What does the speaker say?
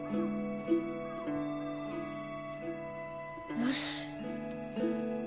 よし。